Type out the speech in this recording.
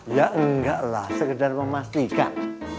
ya enggaklah sekedar memastikan